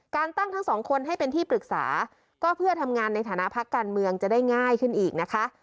การตั้งทั้งสองคนให้เป็นที่ปรึกษาก็เพื่อทำงานในฐานะพักการเมืองจะได้ง่ายขึ้นอีกนะคะ